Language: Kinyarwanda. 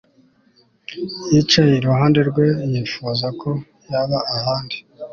Yicaye iruhande rwe yifuza ko yaba ahandi